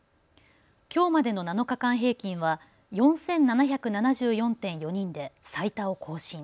きょうまでの７日間平均は４７７４．４人で最多を更新。